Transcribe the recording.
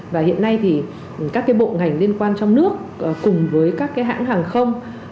và hiện nay thì các cái bộ ngành liên quan trong nước cùng với các cái hãng hàng không